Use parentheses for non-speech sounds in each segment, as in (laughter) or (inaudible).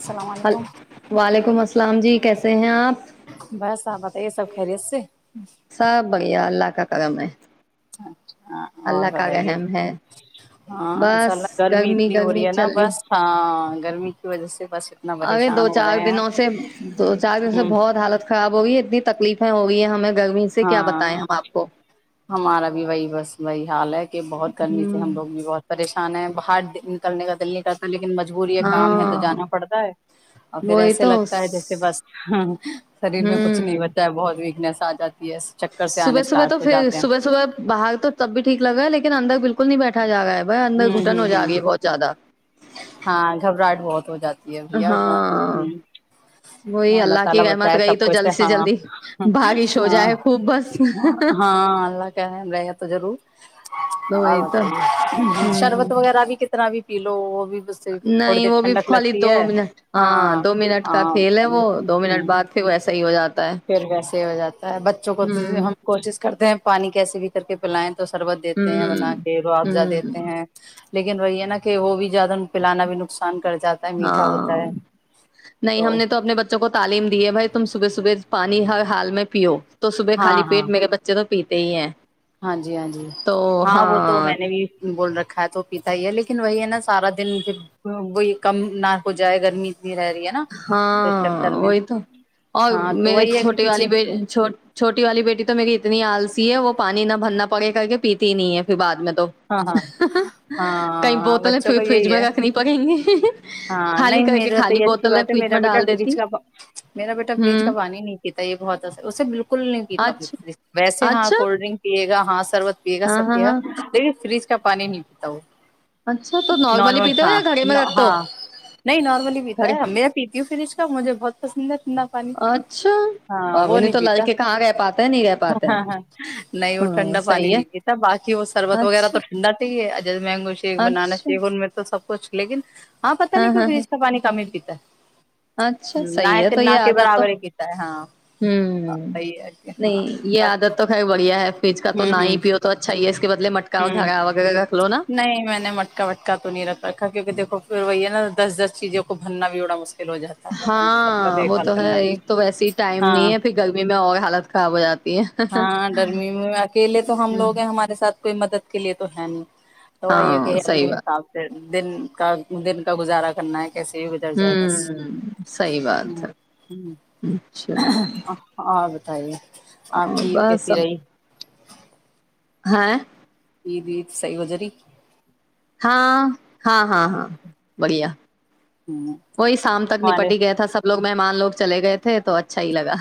السلام علیکم وعلیکم السل اسلام جی کیسے ہیں آپ بس آپ بتائیے سب خریس سب بھڈیا اللہ اللہ کرم ہے اچھا اور اللہ کا بتائیے رحم ہے ہاںء بس ماشااللہ گرمی اتنی ہو رہی گرمی ہینا چل بس ہاں گرمی کی وجہ سے بس اتنا ارے دو پریشان ہو چار رہے ہیں دنوں سے دو چار دنوں سے ہوں بہت حالت خراب ہو گئی ہے اتنی تکلیف وہ بھی ہے ہمیں گرمی سے کیا بتائیں ہاں ہم آپ کو ہمارا بھی وہی بس وہی حال ہے کہ بہت گرمی سے ہم لوگ بھی بہت پریش انا ہے باہر نکلنے کا دل نہی کرتا لیکن مجبوری کام ہے تو ہاں جانا پڑتا ہے اور پھر وہی ایسے تو ہوں لگتا ہے جیسے بس شریر میں کچھ نہیں بچا ہے بہت ویکنیس تازہ صبح صبح تو پھر صبح صبح باہر تو تب بھی ٹھیک لگا ہے لیکن اندر بالکل نہیں بیٹھا جا ہےب ب اندر ہوں گھٹن ہو ہوں ج ہوں گی بہت زیادہ ہاں گھبراہٹ بہت ہو جاتی ہاں وہی اللہ کی تعالی بچا رحمت ہے رہی سب تو کو اس سے جلد جلدی بارش ہو جائے خوب بس ہاں اللہ کہ ضرور اور وہی تو بتائیے ہوں شربت وغیرہ بھی طرح بھی پی لو بھی اس سے تھوڑی نہیں دیر وہ بھی ٹھنڈک خالی لگتی دو ہے منٹ ہاں دو منٹ کا ہاں کھیل ہے وہ دو منٹ بعد پھر ویسا ہی ہو جاتا ہے پھر ویسے ہی ہو جاتا ہے بچوں کو تو ہوں ہم کوشش کرتے ہیں پانی کیسے بھی کر کے پلائیں تو شربت دیتے ہیں ہوں بنا کے رو افضہ ہوں دیتے ہیں لیکن وہی ہے ن کہ وہ بھی زیادہ پلانا بھی نقصان کر جاتا ہے میٹھا ہوتا ہاں ہے نہیں ہم نے تو اپنے بچوں کو تعلیم دیے بھائی تم صبح صبح پانی ہر حال میں پیو تو صبح خالی ہاں ہاں پیٹ میرے بچے تو پیتے ہی ہیں ہاں جی ہاں جی ہاں وہ تو میں نے بھی بول رکھ کھائے تو پیتا ہی ہے لیکن وہی ہے نا سارا دن پھر وہ کم نہ ہو جائے گرمی اتنی رہ رہی ہے نا اس چکر ہاں میں وہی تو اور ہاں تو میرے وہی ہے کہ چھوٹی کسی والی چھوٹی والی بیٹی تو میری اتنی آلسی ہے وہ پانی نہ بھرنا پڑے کر کے پیتی نہیں ہے پھر بعد میں تو ہاں ہاں کئی ہاں بوتلیں بچوں کا فریج یہی میں ہے رکھنی پڑیں گی ہاں خالی نہیں کر کے میرا تو خالی یہ اچھی بوتلیں بات ہے فریج میرا میں بیٹا ڈال فریج دیتی کا میرا بیٹا فریج کا ہوں پانی نہیں پیتا یہ بہت اسے بالکل نہیں پیتا اچھا ویسے ہاں اچھا کولڈ ڈرنک پیے گا ہاں سربت پیے گا ہاں سب ہاں پیگا ہاں لیکن فریج کا پانی نہیں پیتا وہ اچھا تو نارملی نارمل پیتے ہو ہاں یا گھڑے میں رکھتے ہو ہاں نہیں نارملی پیتا گھڑے ہے میں پیتی ہوں فریج کا مجھے بہت پسند ہے ٹھنڈا پانی اچھا ہاں بابو وہ نہیں تو پیتا لڑکے کہاں رہ پاتے ہیں نہیں رہ پاتے ہیں ہ نہیں وہ ہاں ٹھنڈا پانی صحیح ہے نہیں پیتا باقی وہ سربت (unintelligible) اچھا ہاں جیسے مینگو شیک یا کیلے کا اچھا شیک ان میں سب کچھ لیکن ہا پی ٹی اے نہیں ہاں کوئی ہاں ہاں فریز کا پانی کام ہی پیتا ہے۔ اچھا نہ صحیح ہے تو نہ یہ کے عادت تو برابر ہی پیتا ہے ہاں ہمم صحیح ہے ہاں نہیں یہ بس عادت تو خیر بڑھیا ہے فرج کا تو نہ ہوں ہی ہوں پیو تو اچھا ہی ہے اس کے بدلے مٹک ہوں (unintelligible) نہیں میں نے مٹکا وٹکا تو نہیں رکھ رکھا کیونکہ دیکو پھر وہی ہے نا دس دس چیزوں کو بننا بھی بڑا مسلہ ہاں وہ تو ہے بھی ایک تو ویسی ٹائم ہاں نہیں ہے پھر گرمی میں اور حالت کاویا ہاں گرمی میں اکیلے تو ہم لوگ ہیں ہمارے ساتھ کوئ مدد کے لیے تو ہے نہیں تو وہ یہ کہ ہاں ہے صحیح اپنے بات حساب سے دن کا دن کا گزارا کرنا ہے کیسے بھی گزر جائے بس ہومم سہی بات ہے اچھا اور (unintelligible) آ کی عید بس کیسی رہی ہاں عید عید صحیح ہو جاتی ہاں ہاں ہاں ہاں بڑھیا وہی شام تک نپٹی ہی ہمارے گیا تھا سب لوگ مہمان لوگ چلے گئے تھے تو اچھا ہی لگا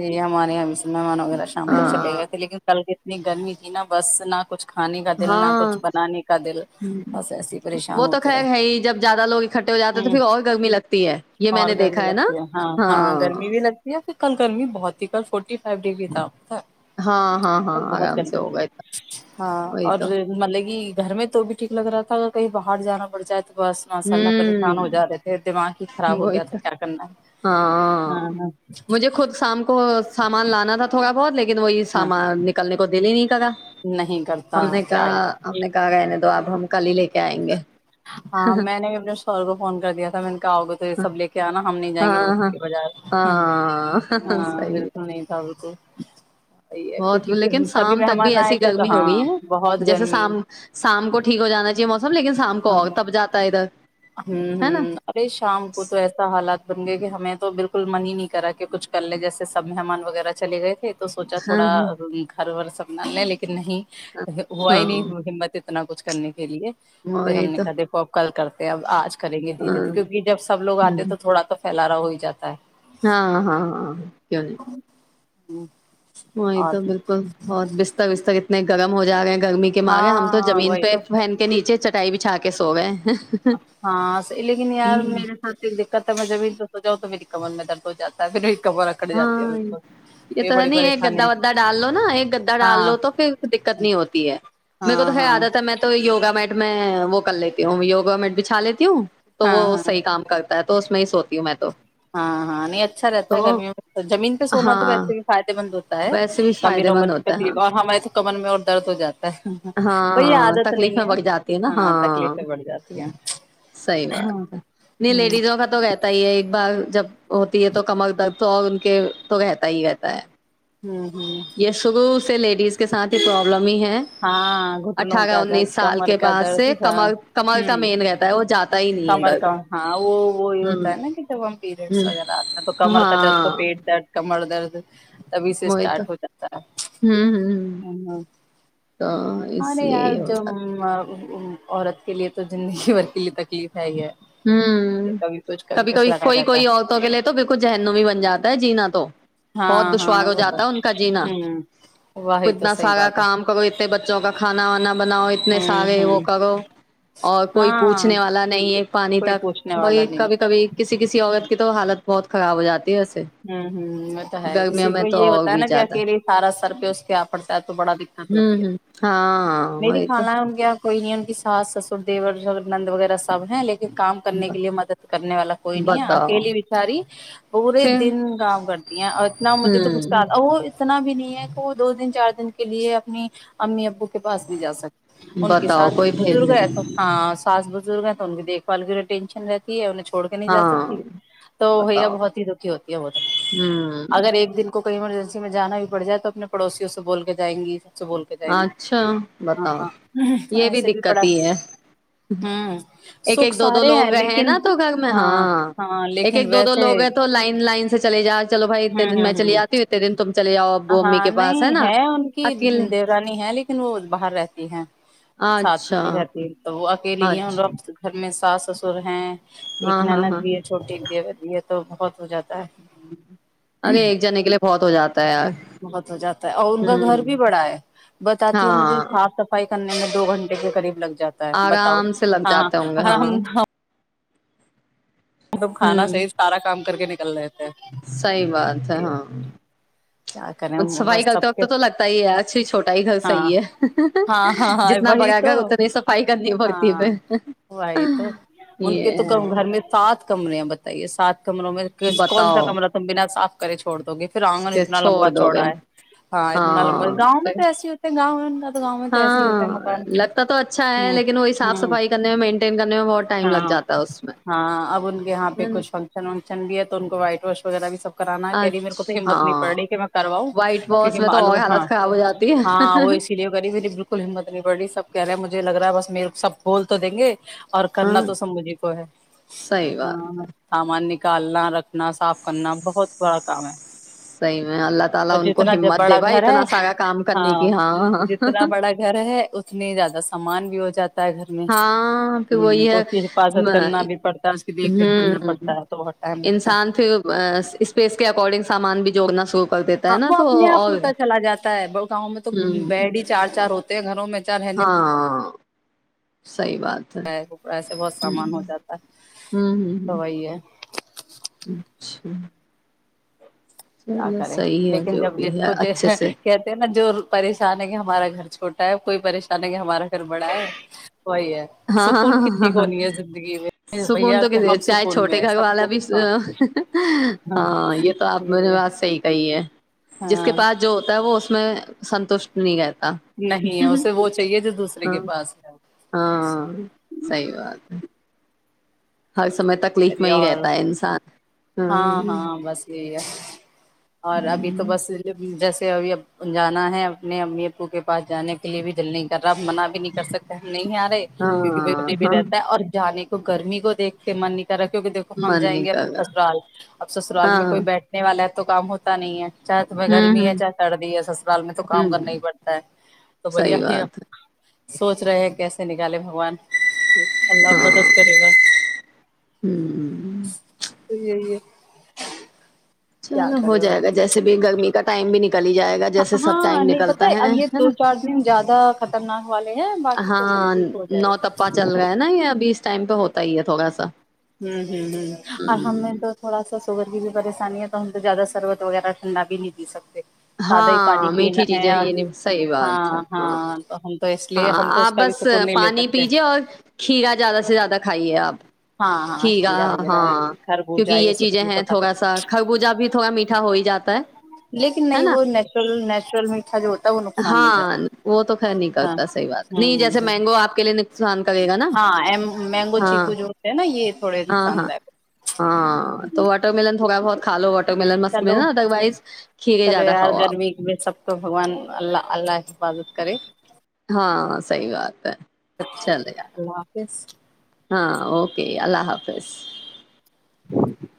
جی ہمارے یہاں مہمان وغیرہ شام تک چلے ہاں گئے تھے لیکن کل کے نہیں گرمی تھی نہا بس نہ کچھ کھانے کا دل نہ ہاں کچھ بنانے کا دل ہمم بس ایسے ہی پریشان وہ تو ہوتے رہے خیر ہے ہی جب زیادہ لوگ اکٹھے ہو جاتے تو ہوں پھر اور گرمی لگتی ہے یہ میں اور نے گرمی دیکھا ہے نا لگتی ہاں گرمی بھی لگتی ہے پھر گرمی بہت ہی کل فورٹی فائیو ڈگری تھاپ تھاک ہاں ہاں ہاں آرام سے ہو گئے تھا ہاں وہی اور تو مطلب کہ گھر میں تو بھی ٹھیک لگ رہا تھا اگر کہیں باہر جانا پڑ جائے تو بس ماشاءاللہ پریشان ہو جا ہوں تی تھے دماغ ہی خراب ہو وہی گیا تھا تو کیا کرنا ہے ہاں ہاں مجھے خود شام کو سامان لانا تھا تھوڑا بہت لی لیکن وہی ہاں سامان نکلنے کو دےلے نہیں نہیں ہم کرتا نے کیا کہا ہی کر ہم نے کہا انہیں تو اب ہم کال ہی لے کے آئیں گے ہاں میں نے اپنے شوہر کو فون کر دیا تھا میں نے کہا اؤ گے تو سب لے کے آنا جائیں گے ہاں ہاں بالکل بازار ہاں صحیح ہے بالکل نہیں تھا بالکل (unintelligible) (unintelligible) بہت لیکن کیونکہ سبھی شام تک بھی مہمان آئے ایسی تھے تو گرمی ہو ہاں گئی ہے بہت جیسے گرمی شام شام کو ٹھیک ہو جانا چاہیے موسم لیکن شام کو کو تب جاتا ہے ادھر ہمم ہے نا ہمم ارے شام کو تو ایسا حالات بن گئے کہ ہمیں تو بالکل من ہی نہیں کرا کہ کچھ کر لے جیسے سب مہمان وغیرہ چلے گئے تھے تو سوچا ہاں تھوڑا ہاں گھرور ور سب ن لکھ نہیں ہوا ہی نہیں ہاں ہمت ا اتنا کچھ کرنے کے لیے پھر ہم وہی نے تو کہا دیک پو آپ کل کرتے آج کریں گے دھیرے ہاں دھیرے کیکہ جب سب لوگ آتے ہوں، تو تھوڑا تو پھیلارا ہو ہی جاتا ہے ہاں ہاں ہاں کیوں نہیں ہی وہی تو بالکل بہت بستتا بستتا نہیں گرم ہو جائے گا گرمی کے ماگے ہم تو ہاں زمین وہی پہ تو پہن کے نیچے چٹائی بچھا کے سووئے ہاں لیکن یار میرے ساتھ دقت ہے میں زمین تو سجاؤ تو میری کمن میں درد ہو جا ہےھر ہاں یہ تو ہے ن یہ پریشانی گدا ہے ودا ڈال لو نا ایک گدا ڈال لو ہاں تو پھر دقت نہیں ہوتی ہے میرے کو تو ہاں خیر ہاں عادت ہے میں تو یوگا مٹ میں وہ کر لیتی ہوں یوگا میٹ بھی چھا لیتی ہوں تو وہ ہاں ہاں صحیح کام کرتے تو اس میں ہی سوتی ہوں میں تو ہاں ہاں نہیں اچھا رہتا تو گرمیوں میں تو زمین پہ سونا تو ویسے ہاں بھی فائد ما ہوتا ہے ویسے بھی امیر فائدے عمر مند کی ہوتا ہے ہاں تکلیف اور ہمارے تو کمر میں اور درد ہو جاتا ہے ہاں وہی ہاں عادت نہیں تکلیفیں بڑھ جاتی ہے نا ہاں تکلیفیں بڑھ جاتی ہیں صحیح ہاں بات ہے نہیں ہوں لیڈیزوں کا تو رہتا ہی ہے ایک بار جب ہوتی ہے تو کمر درد تو اور ان کے تو رہتا ہی رہتا ہے ہوں ہوں یہ شروع سے لیڈیز کے سات ہی پرابلمم ہی ہے ہاں گھٹنوں اٹھارہ کا انیس درد سال کمر کے کا بعد درد سے ہاں کمر کمر کا ہوں مین رہتا ہے وہ جاتا ہے ہی نہیں کمر درد کم ہاں وہ وہ یہ ہوتا ہوں ہے نا کہ توب ہم پیریڈس ہ وغیرہ آتا تو کمر کا درد کو ہاں پیٹ درد کا لدرد تبھی سے وہی تو اسٹارٹ ہو جاتا ہوں ہوں ہے تو اس ارے لیے یار یہ ہو ج جاتا عورت کے لیے تو زندگی بھر کے لیے تکلیف ہے ہی ہے ہوں کبھی کچھ کبھی کچھ کبھی لگا کوئی رہتا کوئی ہے عورتوں کے لیے تو بالکل ذہنمی ہی بن جاتا ہے جینا تو بہت ہاں ہاں دشوار ہو وہ تو جاتا ہے ان کا جینا ہوں کو وہی تو اتنا صحیح سارا بات ہے کام کر انے بچوں کا کھانا وانا بن اپنے سے ہوں آگے وہ ہوں کرو اور کوئی ہاں پوچھنے والا نہیں ہے پانی کوئی تک پوچھنے والا بی نہیں کبھی کبھی کسی کسی عورت کی تو حالت بہت خراب ہو جات ہے ویسے ہوں ہ وہ تو ہے گرمیوں کسی میں کو تو یہ اور ہوتا ہے بھی نا کہ زیادہ اکیے سارا سر پہ اس کے آ پڑتا ہے تو بڑا دقت ہوں ہوتی ہے ہوں ہاں میری وہی تو کھانا ہے ان کیا کوئی نہیں ان کی ساس سسر دیور ج نند وغیرہ سب ہے لیکن کام کرنے کے لیے مدد کرنے والا کوئی نہیں ہے بتاؤ اکیلی بچاری پورے پھر دن کام کرتی ہیں اور اتنا مجھے تو کچھ ہوں کہ وہ اتنا بھی نہیں ہے کہ وہ دو دن چار دن کے لیے اپنی امی ابو کو پاس بھی جا سکتے ان کے بتاؤ سس کوئی بزرگ بھیجنے ہے کا تو ہاں سس ب بزرگ تو ان کییکھ بال کی ینشن رہتی ہے چھڑ نہیں جا سکتی ہاں تو بھیا بتاؤ بہت ہی دکھی ہوتی ہے ہوں اگر ایک دل کو کوئیر اسسی میں جانا بھی پڑ جائے تو اپنے پڑوسیوں سے بول کے جائیں گی اسے بول کے جائیں گے اچھا بتاؤ یہ بھی بڑا دقت ہی ہے ہوں ایک سکھ ایک دو دو سارے لوگ ہیں لیکن نا تو گھر میں ہاں ایک ایک دو دو لوگ ہیں تو لائن لائن اے چل جا چلو بھائی اتنے دن میں چلی آتی ہوں اتنے دن تم چلے جاؤ ابو امی کے پاس ہے نا اکیلے انی ہے لیکن وہ باہر رہتی ہے ساتھ میں اچھا بھی رہتی تو اچھا وہ۔ (unintelligible) میں ساس سسر ہیں۔ ایک ہاں ہاں نند ہاں بھی ہے چھوٹے دیور یہ تو بہت ہو جاتا ہے۔ (inaudible) ایک جنے کے لیے بہت ہو جاتا ہے یار بہت ہو جاتا ہے اور ان کا گھر ہوں بھی بڑا ہے بتاتی ہے مجھے ہاں صاف صفائی کرنے میں دو گھنٹے کے قریب لگ جاتا ہے بتاؤ آرام سے لگ جاتے ہوں گے ہاں۔ تم کھانا صحیح پھر سارا کام کر کے نک (unintelligible) صحی بات ہے ہاں۔ کریں صفائی بس کرتے سب کے وقت تو لگتا ہی ہے اچھا ہی چھوٹا گھر ہاں صحیح ہے ہاں ہاں ہاں جتنا وہی بڑا تو گھر اتنی صفائی کرنی پڑتی ہے ہاں پھر۔ وہی تو ان کے تو کم گھر میں سات کمرے ہیں بتائیے سات کمروں میں کون سا بتاؤ کمرہ تم بنا صاف (inaudible) چوڑ دو گے پھر آنگن کہ اتنا لمبا چھوڑ دو گے چوڑا ہے۔ ہاں اتنا لمبا ہے۔ گاؤں میں۔۔۔ تو ایسے ہی ہوتے ہیں گاؤں ان کا تو گاؤں میں تو ایسے ہی ہوتے ہیں ہاں مکان لگتا تو اچھا ہے ہوں لیکن وہی صاف ہوں صفائی کرنے میں مینٹین کرنے میں بہت ٹائم لگ ہاں جاتا ہے اس میں۔ ہاں اب ان کے یہاں پہ ہے نا؟ کچھ فنکشن ونکشن بھی ہے تو ان کو وائٹ واش وغیرہ بھی سب۔۔۔۔ کرانا کہہ رہی ہے۔ میرے کو بھی اچھا ہمت نہیں پڑ ہاں رہی کہ میں کرواؤں وائٹ واش کیونکہ میں تو اور معلوم ہاں۔۔ حالت خراب ہو جاتی ہے ہاں وہ اسی لیے کری میری بالکل ہمت نہیں بڑ رہی سب کہہ رہے مجھے لگ رہا۔۔ بس میرے کو سب بول تو دیں گے۔۔ اور کرنا ہاں تو سمبجی کو ہے۔ صحیح بات ہاں ہے سامانیہ نکالنا رکھنا صاف کرنا بہت بڑا کام ہے۔ (unintelligible) تعالی اور ان کو جتنا جب ہمت دے بڑا بھائی گھر ہے اتنا سارا کام کرنے ہاں کی ہاں جتنا بڑا گھر ہے اتنی زیادہ سامان۔۔۔ ہو جات (unintelligible) ہاں پھر وہی ہے۔ حفاظت کرنا بھی پڑتا ہے اس کی دیکھ ریکھ کرنا پڑتا ہے تو بہت ٹائم لگتا ہے انسان پھر اسپیس کے اکارڈنگ سامان بھی۔۔۔ (unintelligible) نا وہ تو اپنے آپ اور ہوتا چلا جاتا ہے بڑ گاؤں میں تو ہوں بیڈ ہی چار چار ہوتا۔۔ گھروں میں چار رہنے ہاں۔ صحیح بات ہے ایسے بہت ہ سامان ہو جاتا ہے ہوں تو ہ وہی ہے ہ اچھا۔۔ کیا چلو کرے صحیح ہے لیکن جو جب بھی ج ہے کوھ اچھے سے کہتے ہیں نا جو پریشان ہے کہ ہمارا گھر چھوٹا ہے کوئی پریشان ہے کہ ہمارا گھر بڑا ہے وہی ہے ہاں ہاں سکون ہاں ہاں کسی کو ہاں نہیں ہے زندگی میں سکون بھیا تو ک ہم چاہے سکون چھوٹے میں ہے گھر سب والا کو بھی ہاں ہاں یہ تو آپ م نے بات صحیح کہیے جس کے ہاں پاس جو ہوتا ہے وہ اس میں سنوش نہیںگا نہیں ہے اسے وہ چاہیے جو دوسرے کے پاس ہے سحی بات ہے ہر سمے تکلیف میں ہی اور رہتا ہے انسان ہاں ہاں بس یہی ہے اور ابھی تو بسس اب جانا ہے اپنے امی او کے پاس جانے کے لیے بھی دل نہیں کر منع بھی نہیں کر سکتا ہم نہیں آ رہے ہاں کیونکہ ہاں بے بھی ہاں رہتا ہے اور جانے کے گرمی کو دیکھ کے من کیک کہ دیکو ہم من جائیں نہیں گے کر رہا سسرال اب سسرال میں ہاں کوئی بیٹھنے والا ہے تو تو کام ہوتا نہیں ہے چاہے تمہیں ہوں گرمی ہے ہوں چاہے سردی ہے سسرال میں تو کام ہوں کرنا ہی پڑتا ہے تو بھیا صحیح ہی بات ہے سوچ رہے ہیں کیسے نکالے بگوان اللہ ہاں مدد کری گا ہوں جی (unintelligible) ج ہے (unintelligible) چلو ہو کرے جائے گا بس جیسے بھی گرمی کا ٹائم بھی نکل ہی جائے گا جیسے سب ہاں ٹائم نہیں پتہ نکلتا اب ہے یہ دو نا چار دن زیادہ خطرناک والے ہیں باقی تو سب ہاں ٹھیک ہو جائے نو گا۔ پا چل گا ہے نا یہ ابھی اس ٹائم پہ ہوتا ہی ہے تھوڑا سا ہ ہ ہ اور ہم ہوں، نے تو تھوڑا سا توگر بھی پریشانی ہے تو ہم تو زیادہ سربت وغیرہ ٹھنڈا بھی نہیں سکتے سادہ ہی ہاں پانی پینا میٹھی ہے چیزیں اور یہ نہیں صحیح بات ہے ہاں تو ہم تو اس لیے ہاں ہم تو اس آپ کا بھی بس سکون نہیں لے پانی سکتے پیجیے اور کھیرا زیادہ سے زیادہ کھائیے آپ ہاں ھ ہاں گا کھیرا وغیرہ ہاں کیونکہ خربوجہ یہ سب چیزیں چیز ہیں تو کھا تھوڑا سکتے سا خربوزہ بھی تھوڑا میٹھا ہو ہی جاتا ہے ہیں لیکن ہے نہیں نا وہ نیچرل نیچرل میھا جو ہے وہ نقصان نہیں ہاں وہ تو خیر نہیں کرتا صحی بات نہیں ہوں جیسے ہوں مینگو آپ کے لیے سان کرے گا نا ہاں مینگو ہاں چیکو جو ہوتے ہیں نا یہ تھوڑے ہاں نقصان ہاں دائک ہاں تو واٹر ملن تھوڑا بہت کھا لو واٹر ملن مک میں چلو نا ادر وائز کھیرے چلو زیادہ یار کھاؤ آپ گرمی میں سب تو بگوان اللہ اللہ حفاظت کرے ہاں صحی بات ہے چلے اللہ حافظ ہاں اوکے اللہ حافظ حافظ